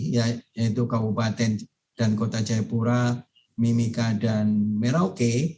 yaitu kabupaten dan kota jayapura mimika dan merauke